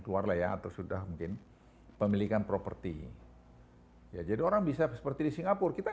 keluar lea atau sudah mungkin pemilikan properti jadi orang bisa seperti singapura kita